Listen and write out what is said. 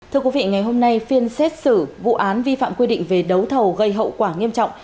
thưa quý vị ngày hôm nay phiên xét xử vụ án vi phạm quy định về đấu thầu gây hậu quả nghiêm trọng